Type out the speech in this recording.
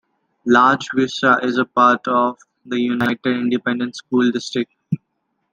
Larga Vista is a part of the United Independent School District.